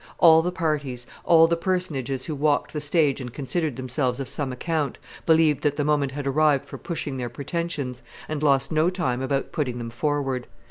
All the parties, all the personages who walked the stage and considered themselves of some account, believed that the moment had arrived for pushing their pretensions, and lost no time about putting them forward.